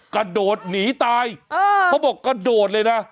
กระโดดหนีตายเขาบอกกระโดดเลยนะ